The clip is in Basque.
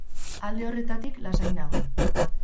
Alde horretatik lasai nago.